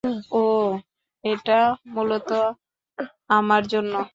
অহ, এটা মূলত আমার জন্য।